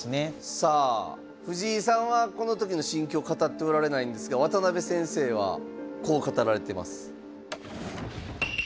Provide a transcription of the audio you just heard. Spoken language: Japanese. さあ藤井さんはこの時の心境を語っておられないんですが渡辺先生はこう語られています。